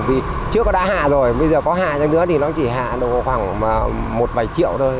vì trước nó đã hạ rồi bây giờ có hạ trong nước thì nó chỉ hạ được khoảng một vài triệu thôi